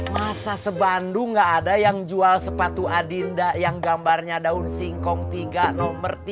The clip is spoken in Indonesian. masa sebandung nggak ada yang jual sepatu adinda yang gambarnya daun singkong tiga nomor tiga puluh delapan